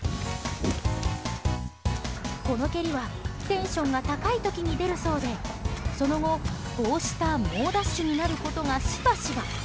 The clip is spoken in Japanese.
この蹴りはテンションが高い時に出るそうでその後こうした猛ダッシュになることがしばしば。